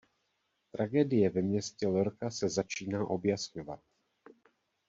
Tragédie ve městě Lorca se začíná objasňovat.